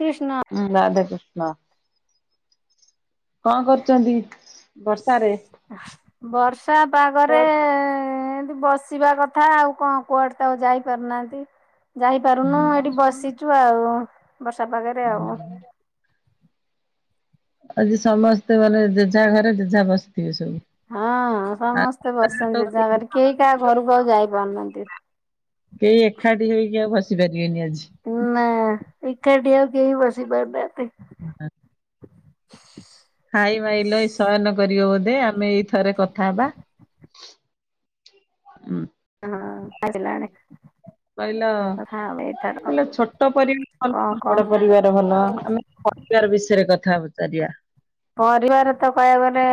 କ୍ରିଷ୍ଣା। ହୁଁ ରାଧେ କ୍ରିଷ୍ଣ କଣ କରୁଚନ୍ତି? ଆ ବର୍ଷା ପାଗରେ ଏମିତି ବସ ବସିବା କଥା ଆଉ କଣ କୁଆଡେ ତ ଆଉ ଯାଇ ପାରୁ ନାହାଁନ୍ତି। ଯାଇପାରୁନୁ ଏଠି ବସି ଚୁ ଆଉ ବର୍ଷା ପାଗରେ ଆଉ। ଆଜି ସମସ୍ତେ ମାନେ ଜେଝା ଘରେ ଜେଝା ବସିଥିବେ ସବୁ। ହଁ ସମସ୍ତେ ଆଉ ବସିଛନ୍ତି ଜେଝା ଘରେ କେହି କାହା ଘରକୁ ଆଉ ଯାଇ ପାରୁନାହାଁନ୍ତି। କେହି ଏକାଠି ହେଇକି ଆଉ ବସି ପାରିବେନି ଆଜି। ନା ଏକାଟି ଆଉ କେହି ବସି ପାରୁନାହାଁନ୍ତି। [unintelligible] ହାଇ ମାଇଲ ଏଇ ଶୟନ କରିବ ବୋଧେ ଆମେ ଏଇ ଥରେ କଥା ହେବା। ହୁଁ। ହଁ [unintelligible] କହିଲ କଥା ଏଇଥର କହିଲ ଛୋଟ ପରିବାର କଣ ଭଲ କହ ବଡ ପରିବାର ଭଲ [unintelligible] ବାର ବିଷୟରେ କଥାଚାରିବା। ପରିବାର ତ କହିବାକୁ ଗଲେ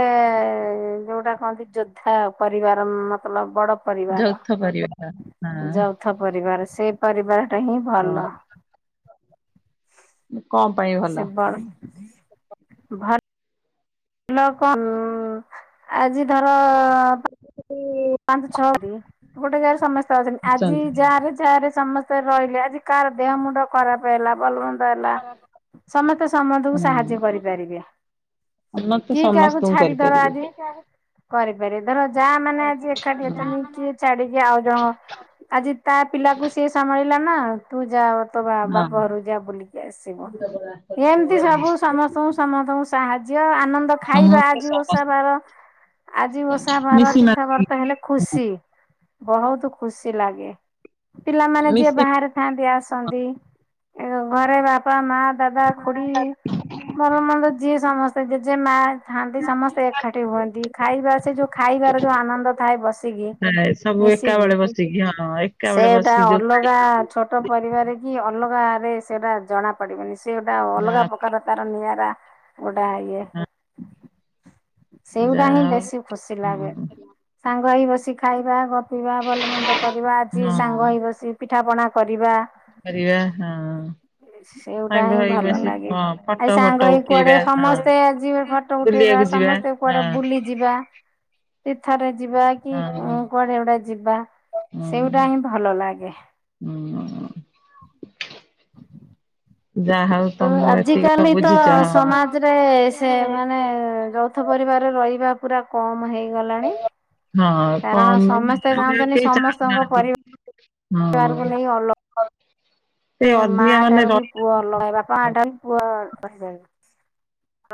ଯୋଉଟା କହନ୍ତି ଯୋଦ୍ଧା ପରିବାର ମତଲବ ବଡ ପରିବାର ଯୌଥ ପରିବାର ହଁ। ଯୌଥ ପରିବାର ସେଇ ପରିବାର ଟା ହିଁ ଭଲ। ହଁ ମୁଁ କଣ ପାଇଁଅ। ସେ ବ ଭ ଭଲ କନ ଆଜି ଧର [unintelligible] ପାଞ୍ଚ ଛଅ ଦି ଗୋଟେ ଯାଗାରେ ସମସ୍ତେ ଅଛନ୍ତି ଆଜି ଯା ରେ ଯା ରେ ସମସ୍ତେ ତେ ରହିଲେ ଆଜି କାହାର ଦେହ ମୁଣ୍ଡ ଖରାପ ହେଲା ଭଲ ମନ୍ଦ ହେଲା ସମତେ ସମନ୍ତକୁ ହୁଁ ସାହାଯ୍ୟ କରିପାରିବେ। ଉନ୍ନତ କିଏ କାହାକୁ ସମସ୍ତଙ୍କୁ ଛାଡି ଧର ଆଜି କରିପାରିବେ। କରିପାରିବେ ଧର ଯା ଆ ମାନେ ଆଜି ଏଖା ଠି ଅଛନ୍ତି କିଏ ଛାଡିକି ଆଉ ଜଣ ଆଜି ତା ପିଲାକୁ ସିଏ ସମାଳିଲା ନା? ତୁ ଯା ତୋ ବା ହଁ ବାପ ଘରୁକୁ ଯା ବୁଲିକି ଆସିବୁ ଏମିତି ସବୁ ସମସ୍ତଙ୍କୁ ସମସ୍ତଙ୍କୁ ସ ସାହାଯ୍ୟ ଆନନ୍ଦ ଖାଇବା ସମସ୍ତେ ଆଜି ଓଷା ସମସ୍ତେ ବାର ଆଜି ଓଷା ବାର ମିଶି ତୀର୍ଥ ମାଶି ଭର ତା ହେଲେ ଖୁସି ବହୁତ ଖୁସି ଲାଗେ ପିଲାମାନେ ଯିଏ ମିଶି ବାହାରେ ଥାଆନ୍ତି ଆସନ୍ତି, ଏଅ ଘରେ ବାପା, ମା, ଦାଦା, ଖୁଡି [unintelligible] ଯିଏ ସମସ୍ତେ ଜେଜେ ମା ଥାଆନ୍ତି ସମସ୍ତେ ଏକାଠି ହୁଅନ୍ତି। ଖାଇବା ସେ ଯୋଉ ଖାଇବାର ଯୋଉ ଆନନ୍ଦ ଥାଏ ବସିକି ଥାଏ ସବୁ ମିଶିକି ଏକାବେଳେ ବସିକି ହଁ ଏକାବେଳେ ସେଟା ବସିକି ଯୋଉ ଖାଇ ଅଲଗା ଛୋଟ ପରିବାର କି ଅଲଗାରେ ସେଟା ଜଣା ପଡିବନି, ସେ ଗୋଟା ଜଣା ଅଲଗା ପ୍ରକାର ତାର ନିଆରା ଗୋଟା ଇଏ। ପଡିଲା। ସେଗୁଟା ଯାହା ହିଁ ହଉ ବେଶୀ ଖୁସି ଲାଗେ। ସାଙ୍ଗ ହେଇ ବସି ଖାଇବା, ଗପିବା, ଭଲ ମନ୍ଦ କରିବା, ଆଜି ହଁ ସାଙ୍ଗ ହେଇ ହଁ ବସି ପିଠା ପଣା କରିବା। କରିବା ହଁ ସେଗୁଟା ସାଙ୍ଗ ହିଁ ହୋଇ ଭଲ ମିଶେ ଲାଗେ। ହଁ ଆଇ ଫଟୋ ସାଙ୍ଗ ଫଟୋ ହେଇ କୁଆଡେ ଉଠେଇବା, ସମସ୍ତେ ଆଜି ହଁ। ଫଟୋ ଉଠେଇବା ବୁଲିବାକୁ ଯିବା। ସମସ୍ତେ କୁଆଡେ ହଁ ବୁଲି ଯିବା, ତୀର୍ଥ ରେ ଯିବା। କି ହଁ କଁ, କୁଆଡେ ଗୋଟେ ଯିବା, ହଁ ସେଇ ଗୋଟା ହିଁ ଭଲ ଲାଗେ। ହଁ। ଯାହା ହଉ ଅ, ତମ ଏତିକି ଆଜିକାଲି ତ ବୁଝିଛ ହଁ। ସମା ଜରେ ସେ ମାନେ ଯୌଥ ପରିବାର ରେ ରହିବା ପୁରା କମ ହେଇଗଲାଣି। ହଁ କାରଣ କମ ଏବେ ସମସ୍ତେ ଆଉ ଚାହୁଁଚନି କେହି ସମସ୍ତଙ୍କ ଚାହୁଁନାହାନ୍ତି ପରି ବାରକୁ ନେଇ ଅଲ ହଁ। ସେ ଏ ମା ଅଧିକା ମାନେ ଠାରୁ ବି ରହି ପୁଅ ଅଲଗା, ଏ ବାପା ମା ଠାରୁ ବି ପୁଅ ରହିବେ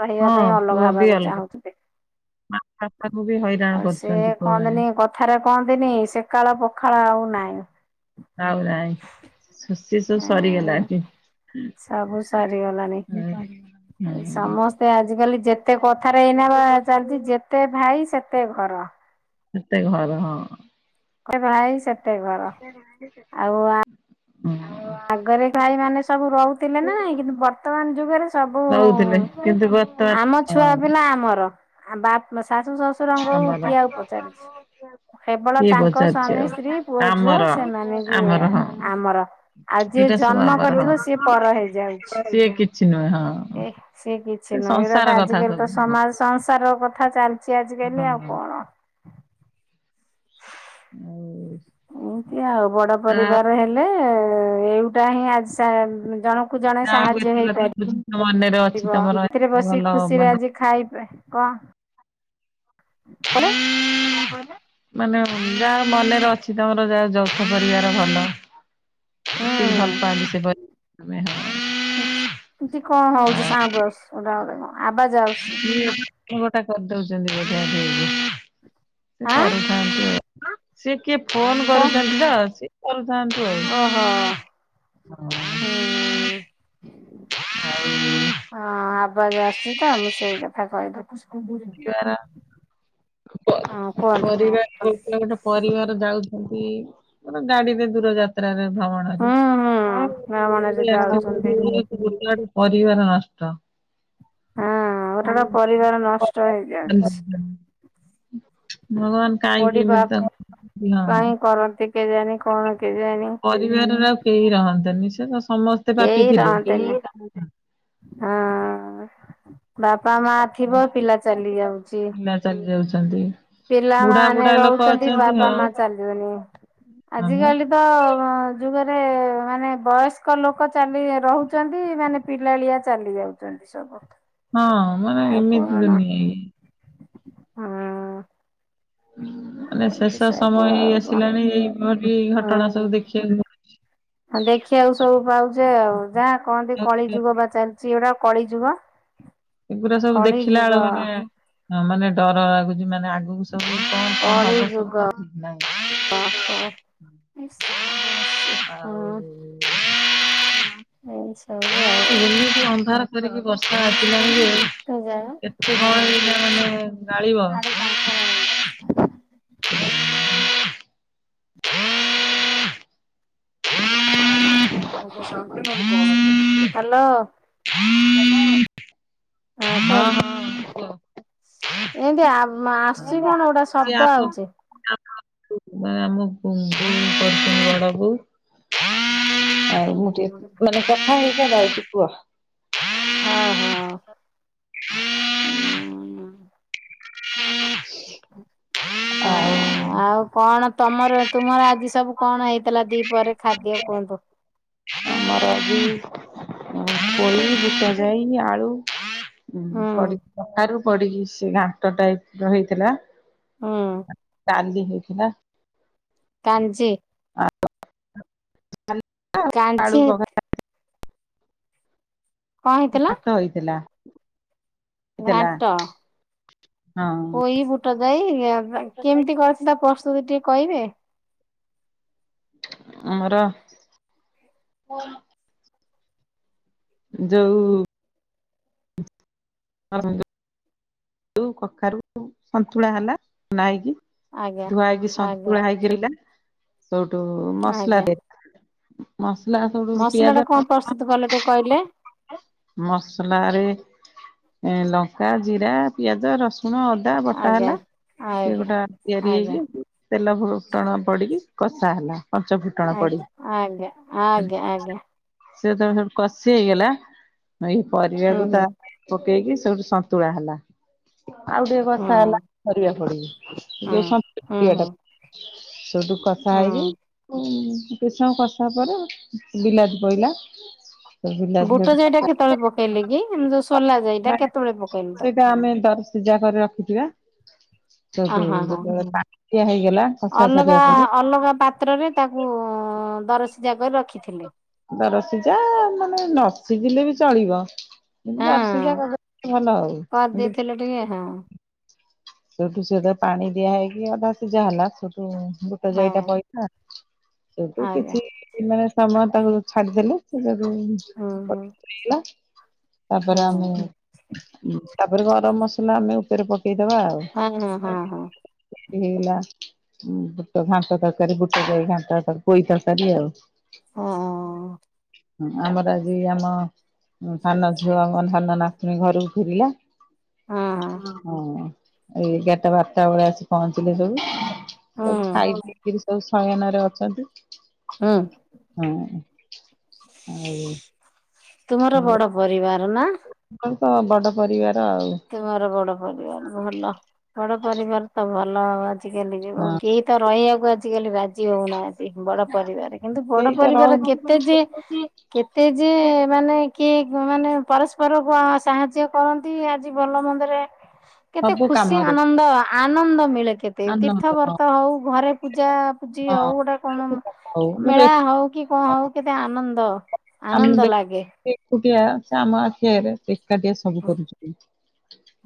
ରହିବା ହଁ ପାଇଁ ପୁଅ ଅଲଗା ବି ହବାକୁ ଅଲଗା ଚାହୁଁଥିଲେ। ମା ବାପାକୁ ବି ହଇରାଣ ଆଉ ସେ କରୁଛନ୍ତି ପୁଅମାନେ କହନ୍ତିନି କ ଥାରେ କହନ୍ତିନି ସେକାଳ ପଖାଳ ଆଉ ନାଇଁ। ଆଉ ନାଇଁ, ସ-ସିଏ ସବୁ ହୁଁ ସରିଗଲାଣି। ସବୁ ସରିଗଲାଣିି। ହୁଁ। ସମସ୍ତେ ଆଜିକାଲି ଯେତେ କଥାରେ ଏଇନା ବା ଚାଲିଚି ଯେତେ ଭାଇ ସେତେ ଘର। ସେତେ ଘର ହଁ। [inaudible] ଭାଇ ସେ ଅଁ, ଆଗରେ ଭାଇ ମାନେ ସବୁ ରହୁଥିଲେ ନା ନାଇ? କିନ୍ତୁ ବର୍ତ୍ତମାନ ଯୁଗରେ ସବୁ ରହୁଥିଲେ ଉଁ, କିନ୍ତୁ ବର୍ତ୍ତମାନ ଆମ ଛୁଆ ହଁ ପିଲା ଆମର, ଆ, ବା ନା ଶାଶୁ ଶଶୁ ଶୁରଙ୍କୁ ଆମର କିଏ ଆଉ ପଚାରୁଛି। କେବଳ କିଏ ତାଙ୍କ ପଚାରୁଛି ସ୍ଵାମୀ ଆଉ ସ୍ତ୍ରୀ ପୁଅ ଝିଅ ଆମର ସେମାନେ ବି ଆମର ହଁ ଆଘ ଆମର। ଆଉ ଯିଏ ଏଇଟା ସବୁ ଜନ୍ମ ଆମର ହଁ। କରିଥିବ ସିଏ ପର ହେଇଯାଉଛି। ସିଏ କିଛି ନୁହେଁ ହଁ। ଏ ସେ କିଛି ନୁହେଁ ଏଗୁଡା ସଂସାର ତ କଥା ଆଜିକାଲି ସବୁ ତ ସମାଜ ସଂସାର କଥା ଚାଲିଛି ଛି ଆଜିକାଲି ଆଉ ହଁ। କଣ। ଆଉ ଏମିତି ଆଉ ବଡ ଆଉ ପରିବାର ହେଲେ ଏଉଟା ହିଁ ଆଜି ସା-ଜଣକୁ ଜଣେ ସାହାଯ୍ୟ ହେଇପାରେ [inaudible] ମନେର ଥିବ ଥିରେ ବସି ଖୁସିରେ ଆଜି ଖାଇବେ କଣ? ମାନେ? କଣ କହିଲେ? ମାନେ ଯା ମନେରେ ଅଛି ତମର ଯାହା ଯୌଥ ପରିବାର ଭଲ। ହୁଁ ଏତେ ହୁଁ। ଭଲପାନ୍ତି ସେ [inaudible] ପାାଗ ସେ ବେ ହ ଏମତି କଣ ହଉଛି ସାଉଣ୍ଡ ଆସୁଚି ସଦାଏଳେ କଣ? ଆବାଜ ଆସୁଛି କି ଗୋଟା କରିଦଉଛନ୍ତି ବୋଧେ [inaudible] ସେ ଆଁ କରୁ। ସିଏ କିଏ ଫୋନ କରୁଛନ୍ତି ତ ସିଏ କରୁଥାନ୍ତୁ। ଆଉ। ଅ ହ ହଁ। ହୁଁ। ଆଉ ହଁ ଆବାଜ ଆସୁଚ ମୁଁ ସେଇ କଥା କହିଦଉଛି ହଁ ପରିବାର କୁହନ୍ତୁ? ହ [inaudible] ଗୋଟେ ପରିବାର ଯାଉଛନ୍ତି ମାନେ ଗାଡିରେ ଦୂର ଯାତ୍ ଭଣରେ ହୁଁ ହୁଁ ଭ୍ରମଣରେ [unintelligible] ଯାଉଛନ୍ତି। ଗୋଟେ ଆଡୁ ପରିବାର ନଷ୍ଟ। ହଁ ଗୋଟେ ଗୋଟେ ପରିବାର ନଷ୍ଟ ହେଇଯାଉଛି। ଭଗବାନ କୋଉଠି କାହିଁକି ବା ଏମିତି ତାକୁ [inaudible] ହଁ। କାହିଁ କରନ୍ତି। କେଜାଣିି କଣ କେଜାଣିି। ପରିବାରରେ ଆଉ କେହି ରହନ୍ତେନି ସେ ତ ସମସ୍ତେ ପାପି କେହି ଥିଲେ। ରହନ୍ତିନି ହଁ ଅ। ବାପା ମା ଥିବ ପିଲା ଚାଲି ଯାଉଛି। ଚାଲି ଯାଉଛନ୍ତି ବୁଢା ପିଲାମାନେ ବୁଢା ଲୋକ ରହୁଛନ୍ତି ଅଛନ୍ତି ବାପା ହଁ। ମା ଚାଲିିଗଲେ ହଁ ବା ଆଜିକାଲି ତ ଯୁଗରେ ମାନେ ବୟସ୍କ ଲୋକ ଚାଲି ରହୁଛନ୍ତି ମାନେ ପିଲାଳିଆ ଚାଲି ଯାଉଛନ୍ତି ସବୁ। ହଁ ମାନେ ଆଉ ଏମିତି କଣ ଦୁନିଆ ଇଏ। ହଁ। ମାନେ ଏମିତି ଶେଷ ସବୁ ସମୟ ହେଇ ଆଉ କଣ ଆସିଲାଣି ଏଇଭଳି ଘଟଣା ସବୁ ଦେଖିବା ହ ଦେଖିବାକୁ ସବୁ ପାଉଛେ ଆଉ ଯାହା କହନ୍ତି କଳି ଯୁଗ ଏଗୁରା ବା ଚାଲିଛି ଏଗୁଡା କଳି ଯୁଗ। ଏଗୁଡା ସବୁ କଳି ଦେଖିଲା ବେଳୁ ଯୁଗ ମାନେ ମାନେ ଡର ଲାଗୁଛି ମାନେ ସବୁ କଣ କଣ କଳି ହବ ସବୁ ଯୁଗ ତା ଠିକ ଓହୋ ନାଇଁ। ଏ ସାଉଢ୍ ଆସଛି ହଁ। ଏଇ ସବୁ ଆଉ। ଏତେଜୋରେ ବର୍ଷା ଆସିଲାଣି ଯେ କେଜାଣି କେତେ କଣ ହେ ମାନେ ଢାଳିବ। ସାଢେ ତାଙ୍କର ହଉଛି। ହଁ ହ ହାଲୋ। ହଁ ହଁ କୁହ। କୁହନ୍ତୁ ଏନ୍ତି ଆ ମା ଆସଚି ହଁ କଣ ଗୋଟେ ଶବ୍ଦ ଆସୁଛି। ନାଇଁ ଆମ ପୁଙ୍ଗୁ କରୁଛନ୍ତି ବଡବୋଉ ଆଉ ମୁଁ ଟିକିଏ ମାନେ କଥା ହେଇପା ଯାଉଚି କୁହ ହ ହ ଉଁ। ହଁ ଆଉ ଆଉ କଣ ତମର ତୁମର ଆଜି ସବୁ କଣ ହେଇଥିଲା ଦି ପରେ ଖାଦ୍ୟ କୁହନ୍ତୁ? ଆମର ପୋଇ ବୁଟଜାଇ ଆଳୁ ଉଁ ହୁଁ ପଡ଼ିକ କଖାରୁ ପଡିକି ସେ ଘାଣ୍ଟ ଟାଇପ ର ହେଇଥିଲା। ହୁଁ। ଚାଲିଛି ପା। କାଞ୍ଜି। ଆଁ ଆଳୁ କାଞ୍ଚି କଖାରୁ କଣ ହେଇଥିଲା? ଭାତ ହେଇଥିଲା। ହେଇଥିଲା ଘାଟ ହଁ ପୋଇବୁଟ ଯାଇ କେମିତି କରି ତା ପ୍ରସ୍ତୁତି ଟିକେ କହିବେ? ଆମର ଯୋଉ ଯୋଉ କଖାରୁ ସନ୍ତୁଳା ହେଲା ନା ହେକି ଆଜ୍ଞା ଧୁଆ ହେଇକି ଆଜ୍ଞା ସନ୍ତୁଳା ହେଇକିଲା ସୋଉଠୁ ମସଲା ଆଜ୍ଞା ଦେଇ ମସଲା ସେଠୁ ମସଲା ଟା ପିଆଜ କଣ ପ୍ରସ୍ତୁତ କଲେ ଟିକେ କହିଲେ? ରସୁଣ ମସଲାରେ ଏ ଲଙ୍କା, ଜିରା, ପିଆଜ, ରସୁଣ ଅ ଦା ବଟା ଆଜ୍ଞା ହେଲା ସେଏ ଆଜ୍ଞା ଗୋଟା ତିଆରି ଆଜ୍ଞା ହେଇକି। ତେଲ ଭୁଟଣ ପଡିକି କଷା ହେଲା। ପଞ୍ଚ ଫୁଟଣ ଆଜ୍ଞା ପଡିକି ଆଜ୍ଞା ଆଜ୍ଞା ଆଜ୍ଞା ସେ ଯେବେ ସଠୁ କଷି ହେଇଗଲା ଏଇ ହୁଁ ପରିବାକୁ ତା ହୁଁ ପକେଇକି ସେଠୁ ସନ୍ତୁଳା ହେଲା। ଆଉ ଟିକେ ହୁଁ କଥା ହେଲା ପରିବା ଫଡିକି ହୁଁ ଯୋଉ ହୁଁ ସେଇଠୁ ହୁଁ କଷା ହୁଁ ହେଇକି। ଭୃଷଙ୍ଗ ପତ୍ର ପରେ ବିଲାତି ପଇଲା ବିଲାତି ବୁଟ ଜାଇଟା କେତେବେଳେ, ପକେଇଲେ କି ଆମେ ଯୋଉ ସୋଲା ଜାଇଟା କେତେବେଳେ ପକେଇଲେ ତଉ ସେଇଟା ଆମେ ଦର ସିଜା କରି ରଖିଥିବା। ଅ ଯଦି ହଁ ହଁ ଯେତେବେଳେ ବାଟିଆ ହେଇଗଲା ଖଷା ଅଲଗା ସାରିବା ପରେ ଅଲଗା ପା ପାତ୍ରରେ ତାକୁ ଦରସିଝା କରି ରଖିଥିଲେ। ଦରସିଯା ମାନେ ନସିିଝିଲେ ବି ଚଳିବ ଦରସିଜା ହଁ କରିକି ଭଲ ଆଉ କରିଦେଇଥିଲେ ଟିକେ ହଁ ସେଠୁ ସେଟା ପାଣି ଦିଆ ହେଇକି ଅଧା ସିଝା ହେଲା ସେଠୁ ଆଜ୍ଞା [inaudible] ସେଠୁ ଆଜ୍ଞା କିଛି ମାନେ ସମୟ ତାକୁ ଛାଡିଦେଲେ। ସେଟାକୁ ହୁଁ ହୁଁ ପଠେଇଲା ତାପରେ ଆମେ ହୁଁ ତାପରେ ଗରମ ମସଲା ଆମେ ଉପରେ ପକେଇଦବା ଆଉ ହଁ ହଁ ହଁ ହଁ। ହେଇଗଲା ବୁଟ ଘାଣ୍ଟ ତରକାରୀ ବୁଟ ଯାଇ ଘାଣ୍ଟର ପୋଇ ତରକାରୀ ଆଉ ହଁ ହୁଁ ହ ଆମର ଆଜି ଆମ ସାନ ଝିଅ ଧାନ ନାତୁଣୀ ଘରକୁ ଫେରିଲା। ହଁ ହଁ ହଁ ଏଇ ଏଗାରଟା ବାରଟା ବେଳିଆ ଆସି ପହଞ୍ଚିଲେ ସବୁ ସବୁ ହୁଁ ଖାଇ ପିକରି ସବୁ ସୟନରେ ଅଛନ୍ତି। ହୁଁ ହଁ ଆଉ ତୁମର ବଡ ପରିବାର ନା? ତାଙ୍କର ତ ବଡ ପରିବାର ଆଉ ତମର ବଡ ପରିବାର ଭଲ। ବଡ ପରିବାର ତ ଭଲ। ଆଉ ଆଜିକାଲି ଯୋ ହଁ କେଇ ତ ରହିବାକୁ ଆଜିକାଲି ରାଜି ହଉନାହାଁନ୍ତି। ବଡ଼ ପରିବାର କିନ୍ତୁ ବଡ଼ ସେଇ ତ ପରିବାର କେତେ ଯେ ରହୁନି କେ ତେ ଯେ ମାନେ କିଏ ମାନେ ପରସ୍ପରକୁ ଆ ସାହାଯ୍ୟ କରନ୍ତି ଆଜି ଭଲ ମନ୍ଦରେ କେତେ ସବୁ ଖୁସି କାମରେ ଆନନ୍ଦ ଆନନ୍ଦ ମିଳେ କେତେ ତୀର୍ଥ ଆନନ୍ଦ ହଁ ବର୍ତ ହଉ ଘରେ ପୂଜା ପୂଜି ହଉ ଗୋଟେ କଣ ହଉ ମୋର ମେଳା ହଉ କି କଣ ହଉ କେତେ ଆନନ୍ଦ ଆମେ ଆନନ୍ଦ ଦେଖୁ ଲାଗେ। ସେ ଏକୁଟିଆ ସେ ଆମ ଆଖି ଆଗରେ ଏକା ଟିଆ ସବୁ କରୁଛନ୍ତି।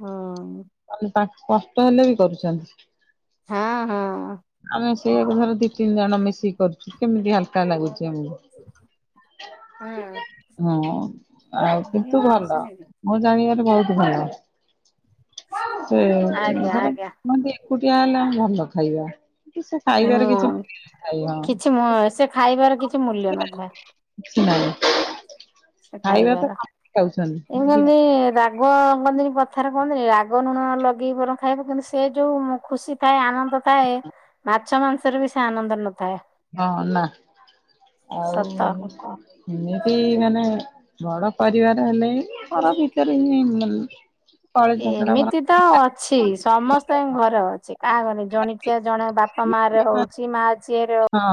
ହୁଁ। ମାନେ ତାଙ୍କୁ କଷ୍ଟ ହେଲେ ବି କରୁଛନ୍ତି। ହାଁ ହଁ। ଆମେ ସେଇଆକୁ ଧର ଦି ତିନି ଜଣ ମିଶିକି କରୁଛୁ କେମିତି ହାଲକା ଲାଗୁଛି ଆମକୁ ହଁ। ହଁ ଆଉ କିନ୍ତୁ ଭଲ। ଆଜ୍ଞା ମୁଁ ଜାଣିବାରେ ବହୁତ ଭଲ। ସେ ବି ଧର ଆଜ୍ଞା ମୁଁ ବି ଏକୁଟିଆ ହେଲେ ଭଲ ଖାଇବ। କିନ୍ତୁ ସେ ଖାଇବାର କିଛି ହୁଁ ମୂଲ୍ୟ ନଥାଏ ହଁ। କିଛି ମୁ ସେ ଖାଇବାର କିଛି ମୂଲ୍ୟ ନଥାଏ। କିଛି ନାହିଁ। ସେ ଖାଇବା ତ ଖାଇବାର ସମସ୍ତେ ଏ ଖାଉଛନ୍ତି। ମାନେ ରା [unintelligible] ମାନେ କଥାରେ କୁହନ୍ତିନି ରାଗ ଲୁଣ ଲଗେଇ ବରଂ ଖାଇବ କିନ୍ତୁ ସେ ଯୋଉ ଖୁସି ଥାଏ ଆନନ୍ଦ ଥାଏ ମାଛ ମାଂସରେ ବି ସେ ଆନନ୍ଦ ନଥାଏ। ହଁ ନା ଆଉ ସତ। ଏମିତି ମାନେ ବଡ଼ ପରିିବାର ହେଲେ ବି ଘର ଭିତେରେ ବି ଏମିତି ତ ଅଛି ସମସ୍ତଙ୍କ ଘର ଅଛି କାହା ଘରେ ଜଣିକିଆ ଜଣ ବା ମାରେ ହଉଛି ମା ଝିଏରେ ହ ହଁ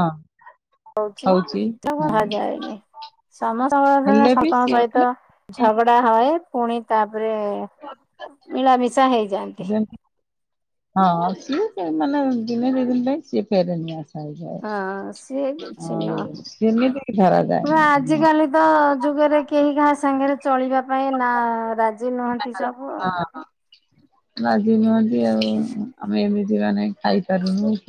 ହଉଛି ଶୁଭାଯାଏନି ସମସ୍ତଙ୍କ ଯଦି ହେଲେ ବି ସମସ୍ତଙ୍କ ସିଏ ସହିତ ମାନେ ଝଗଡ଼ା ହଏ ପୁଣି ତାପରେ ମିଳାମିଶା ହେଇଯାନ୍ତି। ହଁ ସିଏ ମାନେ ଦିନେ ଦୁଇ ଦିନ ପାଇଁ ସିଏ [unintelligible] ହଁ ସିଏ କିଛି ନୁହଁ ଆଉ ସେମିତି ଧରାଯାଏ ନା ହଁ। ଆଜିକାଲି ତ ଯୁଗରେ କେହି କାହା ସାଙ୍ଗରେ ଚଳିବା ପାଇଁ ନା ରାଜି ନୁହନ୍ତି ସବୁ ହଁ ଆଉ ରାଜି ନୁହନ୍ତି ଆଉ ଆମେ ଏମିତି ମାନେ ଖାଇପାରୁନୁ କି